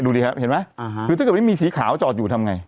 ดูดิครับเห็นไหมอ่าฮะคือถ้าเกิดมีสีขาวจอดอยู่ทำไง